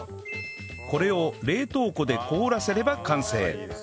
これを冷凍庫で凍らせれば完成